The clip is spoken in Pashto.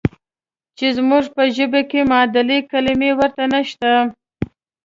چې زموږ په ژبه کې معادلې کلمې ورته نشته.